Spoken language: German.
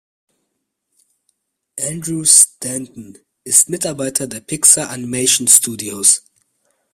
Andrew Stanton ist Mitarbeiter der Pixar Animation Studios.